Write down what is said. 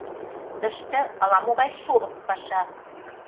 — Тыште ала-могай шолып паша.